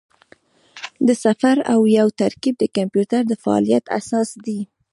د صفر او یو ترکیب د کمپیوټر د فعالیت اساس دی.